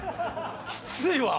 きついわ！